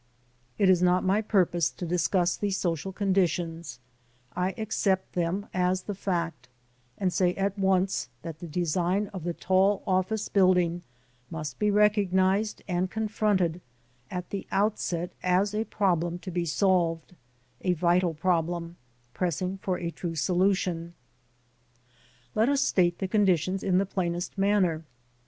It is not my purpose to discuss the social conditions ; I accept them as the fact, and say at once that the design of the tall office building must be recognized and confronted at the outset as a problem to be solved, ŌĆö a vital problem, pressing for a true solution. Let us state the conditions in the plainest manner.